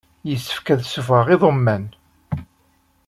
Yessefk ad ssufɣeɣ iḍumman.